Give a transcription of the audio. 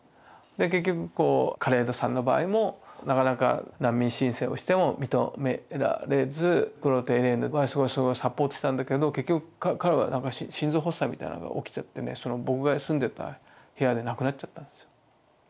で結局カレイドさんの場合もなかなか難民申請をしても認められずクロードとエレーヌはすごいサポートしたんだけど結局彼は心臓発作みたいなのが起きちゃってねその僕が住んでた部屋で亡くなっちゃったんですよ。